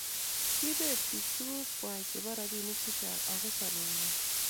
kibeet biik tuguk kwai chebo robinik chechang ago sobengwai.